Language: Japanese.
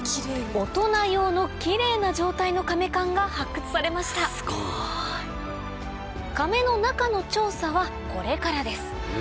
大人用のキレイな状態の甕棺が発掘されました甕の中の調査はこれからです